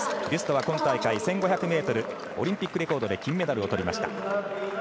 ビュストは今大会１５００ｍオリンピックレコードで金メダルをとりました。